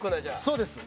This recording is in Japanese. そうです。